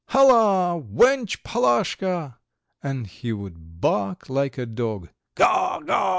Hulla, wench Palashka!" and he would bark like a dog: "Ga! Ga!"